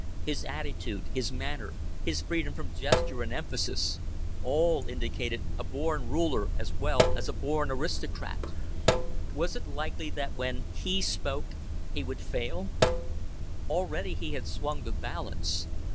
His attitude, his manner, his freedom from gesture and emphasis, all indicated a born ruler as well as a born aristocrat. Was it likely that when he spoke he would fail? Already he had swung the balance.